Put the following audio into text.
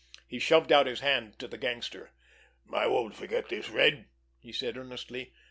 He shoved out his hand to the gangster. "I won't forget this, Red!" he said earnestly.